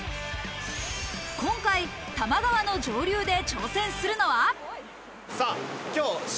今回、多摩川の上流で挑戦するのは。